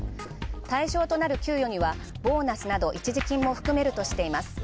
対象となる給与にはボーナスなど一時金も含めるなどとしています。